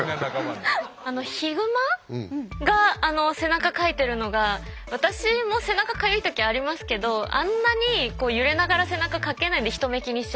ヒグマが背中かいてるのが私も背中かゆい時ありますけどあんなに揺れながら背中かけない人目気にしちゃって。